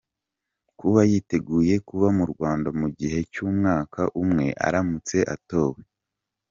Kuba yiteguye kuba mu Rwanda mu gihe cy’umwaka umwe aramutse atowe.